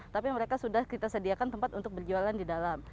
tapi mereka sudah kita sediakan tempat untuk berjualan di dalam